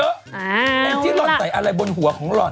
มาโอเคค่ะไอ้จี๊หลอนใส่อะไรบนหัวของหลอน